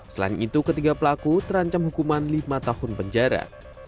selain itu ketiga pelaku terancam hukuman lima tahun penjara